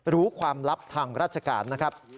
รู้ความลับทางราชการนะครับ